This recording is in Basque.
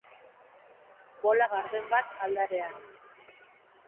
Bola garden bat aldarean.